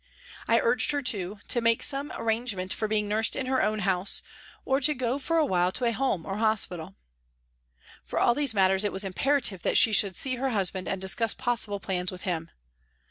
I urged her, too, to make some arrangement for being nursed in her own house or to go for a while to a 152 " home " or hospital. For all these matters it was imperative that she should see her husband and discuss possible plans with him.